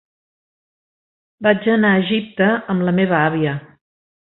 Vaig anar a Egipte amb la meva àvia.